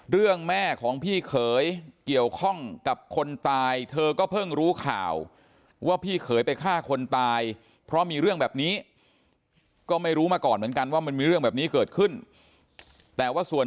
เรื่องแม่ของพี่เขยเกี่ยวข้องกับคนตายเธอก็เพิ่งรู้ข่าวว่าพี่เขยไปฆ่าคนตายเพราะมีเรื่องแบบนี้ก็ไม่รู้มาก่อนเหมือนกันว่ามันมีเรื่องแบบนี้เกิดขึ้นแต่ว่าส่วน